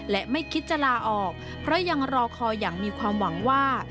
และไม่คิดจะลาออกเพราะยังรอคอยอย่างมีความหวังว่า